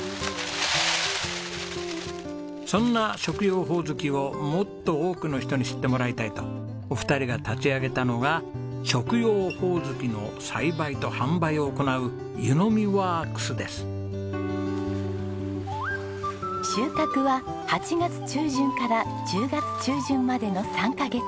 そんな食用ホオズキをもっと多くの人に知ってもらいたいとお二人が立ち上げたのが食用ホオズキの栽培と販売を行う収穫は８月中旬から１０月中旬までの３カ月。